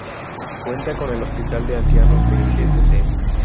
Cuenta con el hospital de ancianos de St.